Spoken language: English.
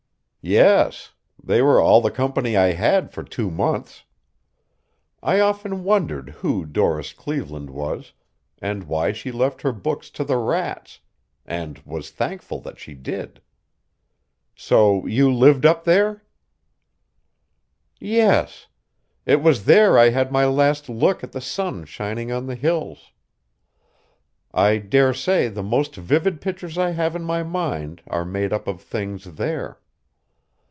"Yes. They were all the company I had for two months. I often wondered who Doris Cleveland was and why she left her books to the rats and was thankful that she did. So you lived up there?" "Yes. It was there I had my last look at the sun shining on the hills. I daresay the most vivid pictures I have in my mind are made up of things there.